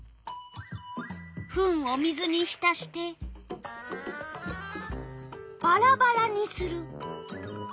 フンを水にひたしてバラバラにする。